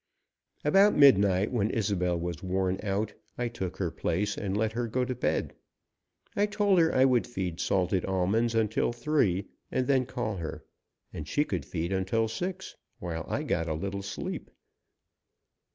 About midnight, when Isobel was worn out, I took her place and let her go to bed. I told her I would feed salted almonds until three, and then call her, and she could feed until six, while I got a little sleep.